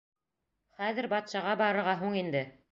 Хәҙер батшаға барырға һуң инде.